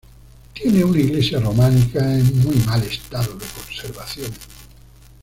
Tiene una iglesia románica en muy mal estado de conservación.